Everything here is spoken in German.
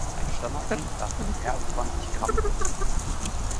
Ein Standardbrief darf nicht mehr als zwanzig Gramm wiegen.